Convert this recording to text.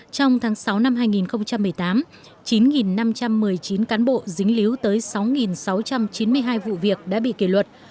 trong tháng sáu năm hai nghìn một mươi tám chín năm trăm một mươi chín cán bộ dính líu tới sáu sáu trăm chín mươi hai vụ việc đã bị kỷ luật